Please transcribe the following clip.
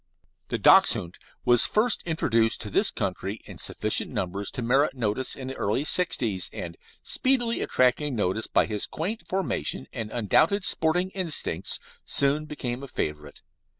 The Dachshund was first introduced to this country in sufficient numbers to merit notice in the early 'sixties, and, speedily attracting notice by his quaint formation and undoubted sporting instincts, soon became a favourite.